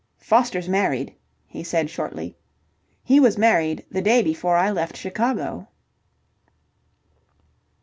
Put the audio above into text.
"Foster's married," he said shortly. "He was married the day before I left Chicago."